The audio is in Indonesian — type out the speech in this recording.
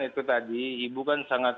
itu tadi ibu kan sangat